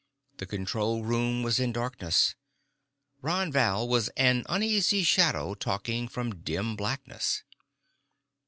The control room was in darkness. Ron Val was an uneasy shadow talking from dim blackness.